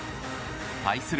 対する